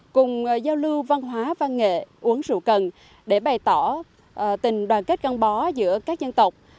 cùng giao lưu văn hóa văn nghệ uống rượu cần để bày tỏ tình đoàn kết gắn bó giữa các dân tộc